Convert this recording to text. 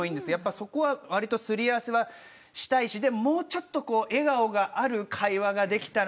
そこは、すり合わせはしたいしでも、もう少し笑顔のある会話ができたら。